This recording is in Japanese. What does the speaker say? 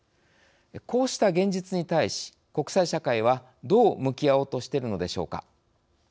こうした現実に対し国際社会は、どう向き合おうとしているのでしょうか。